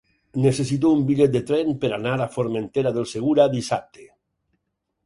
Necessito un bitllet de tren per anar a Formentera del Segura dissabte.